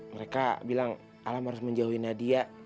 mereka bilang alam harus menjauhi nadia